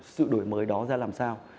sự đổi mới đó ra làm sao